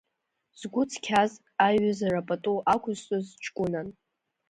Згәы цқьаз, аиҩызара пату ақәызҵоз ҷкәынан.